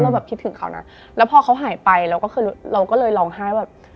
เพราะเราคิดถึงเขานั้นแล้วพอเขาหายไปเราก็เลยร้องไห้ว่า